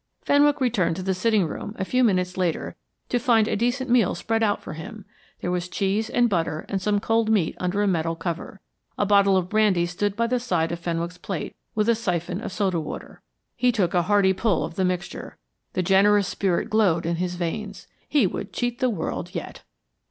Fenwick returned to the sitting room a few minutes later to find a decent meal spread out for him. There was cheese and butter and some cold meat under a metal cover. A bottle of brandy stood by the side of Fenwick's plate, with a syphon of soda water. He took a hearty pull of the mixture. The generous spirit glowed in his veins. He would cheat the world yet.